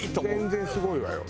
全然すごいわよ。